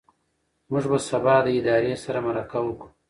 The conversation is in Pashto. موږ به سبا د ادارې سره مرکه وکړو.